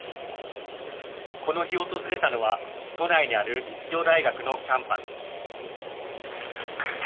この日、訪れたのは都内にある立教大学のキャンパス。